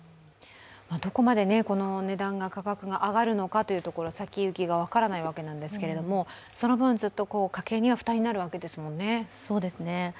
どこまでこの価格が上がるのかというところ、先行きが分からないわけですけれどもその分、ずっと家計には負担になるわけですもんね。